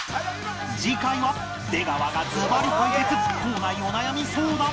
次回は出川がズバリ解決校内お悩み相談